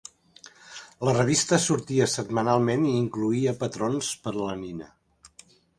La revista sortia setmanalment i incloïa patrons per a la nina.